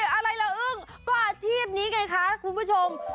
อะไรละอึ้งก็อาชีพนี้ไงคะคุณผู้ชม